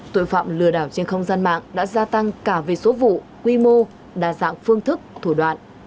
tội phạm lừa đảo trên không gian mạng đã gia tăng cả về số vụ quy mô đa dạng phương thức thủ đoạn